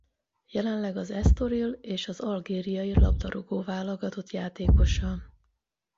Jelenleg az Estoril és az algériai labdarúgó-válogatott játékosa.